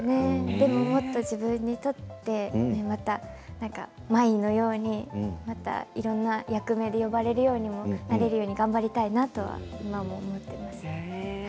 でも、もっと自分にとってまいんのようにいろんな役名で呼ばれるようにもなれるように頑張りたいなと思っています。